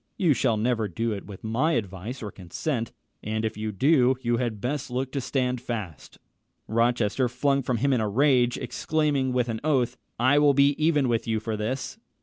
You shall never do it with my advice or consent; and if you do, you had best look to stand fast." Rochester flung from him in a rage, exclaiming with an oath, "I will be even with you for this."